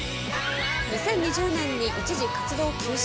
２０２０年に一時、活動を休止。